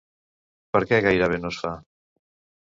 Per què gairebé no es fa?